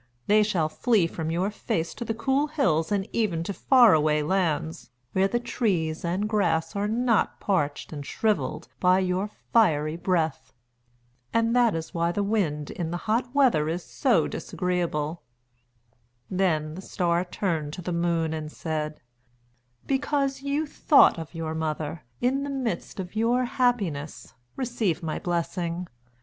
They shall flee from your face to the cool hills and even to faraway lands where the trees and grass are not parched and shrivelled by your fiery breath." And that is why the Wind in the hot weather is so disagreeable. Then the Star turned to the Moon and said: "Because you thought of your mother, in the midst of your happiness, receive my blessing.